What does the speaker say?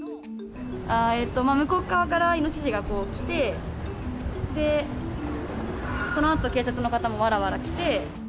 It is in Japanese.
向こう側からイノシシが来てそのあと警察の方もワラワラ来て。